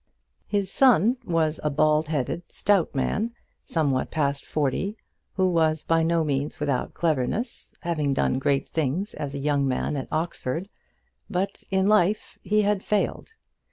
His son was a bald headed, stout man, somewhat past forty, who was by no means without cleverness, having done great things as a young man at Oxford; but in life he had failed.